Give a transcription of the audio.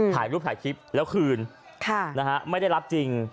ถ่ายรูปถ่ายคลิปแล้วคืนไม่ได้รับจริง